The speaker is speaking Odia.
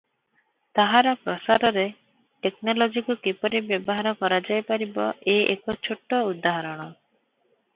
ତାହାର ପ୍ରସାରରେ ଟେକନୋଲୋଜିକୁ କିପରି ବ୍ୟବହାର କରାଯାଇପାରିବ ଏ ଏକ ଛୋଟ ଉଦାହରଣ ।